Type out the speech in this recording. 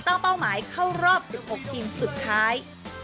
เป้าหมายเข้ารอบ๑๖ทีมสุดท้าย